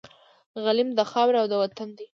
غلیم د خاوري او د وطن دی